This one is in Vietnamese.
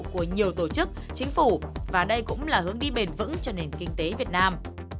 của nhiều tổ chức chính phủ và đây cũng là hướng đi bền vững cho nền kinh tế việt nam